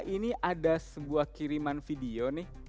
ini ada sebuah kiriman video nih